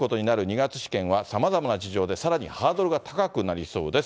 月試験は、さまざまな事情でさらにハードルが高くなりそうです。